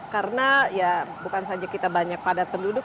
karena ya bukan saja kita banyak padat penduduk